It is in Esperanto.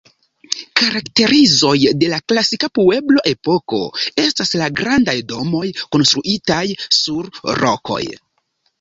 Karakterizoj de la klasika pueblo-epoko estas la grandaj domoj konstruitaj sur rokoj.